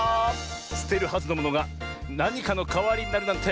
すてるはずのものがなにかのかわりになるなんて